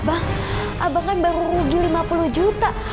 bang abang kan baru rugi lima puluh juta